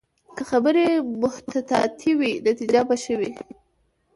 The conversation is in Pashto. که خبرې محتاطې وي، نتیجه به ښه وي